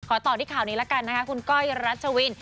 ต่อที่ข่าวนี้ละกันนะคะคุณก้อยรัชวิน